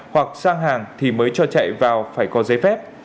hoặc sang hàng thì mới cho chạy vào phải có giấy phép